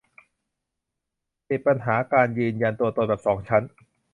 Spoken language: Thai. ติดปัญหาการยืนยันตัวตนแบบสองชั้น